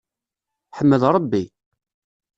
Ḥmed Rebbi.